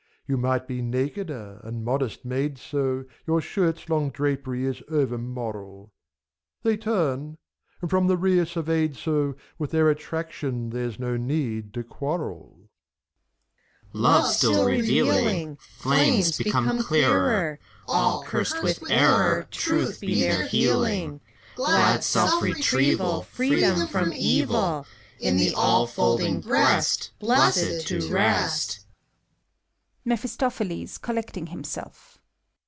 You might be nakeder, and modest made so : Your shirts' long drapery is over moral. — They turn !— and, from the rear surveyed so, With their attraction there's no need to quarrel ! CHORUS OF ANGELS. Love still revealing. Flames, become clearer I All, cursed with error, Truth be their healing I Glad self retrieval Free them from Evil, In the all folding Breast, Blessed, to rest!